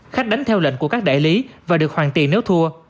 khách đánh theo lệnh của các đại lý và được hoàn tiền nếu thua